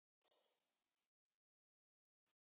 آهنګر وويل: غله دي!